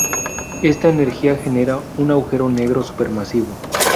Esta energía genera un agujero negro supermasivo.